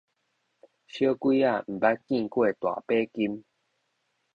小鬼仔毋捌見過大把金